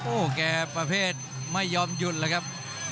โอ้โหแกประเภทไม่ยอมหยุดเลยครับ